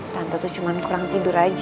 tante tuh cuman kurang tidur aja ya